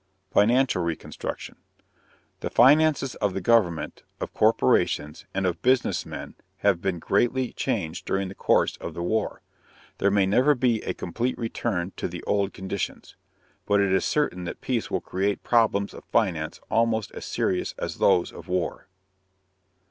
FINANCIAL RECONSTRUCTION. The finances of the government, of corporations, and of business men have been greatly changed during the course of the war. There may never be a complete return to the old conditions. But it is certain that peace will create problems of finance almost as serious as those of war.